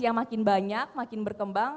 yang makin banyak makin berkembang